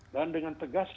dan dengan tegas